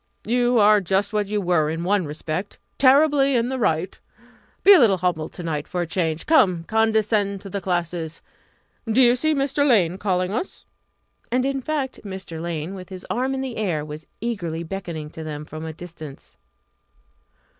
"You are just what you were in one respect terribly in the right! Be a little humble to night for a change. Come, condescend to the classes! Do you see Mr. Lane calling us?" And, in fact, Mr. Lane, with his arm in the air, was eagerly beckoning to them from the distance.